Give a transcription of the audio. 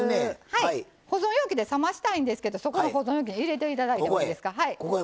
はい保存容器で冷ましたいんですけどそこの保存容器に入れて頂いてもいいですか。ここへ。